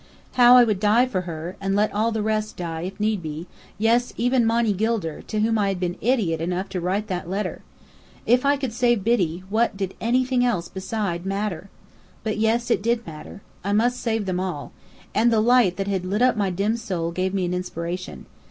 How I would die for her, and let all the rest die, if need be, yes, even Monny Gilder, to whom I had been idiot enough to write that letter! If I could save Biddy, what did anything beside matter? But yes, it did matter. I must save them all. And the light that had lit up my dim soul gave me inspiration.